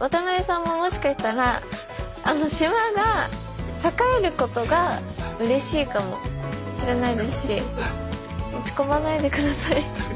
渡邊さんももしかしたらあの島が栄えることがうれしいかもしれないですし落ち込まないでください。